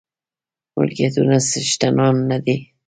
ملکيتونو څښتنان نه دي.